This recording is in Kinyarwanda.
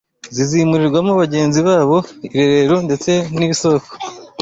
zizimurirwamo bagenzi babo, irerero ndetse n’isoko